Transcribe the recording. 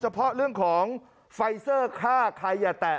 เพาะเรื่องของไฟเซอร์ฆ่าใครอย่าแตะ